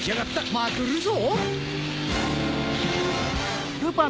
まくるぞ！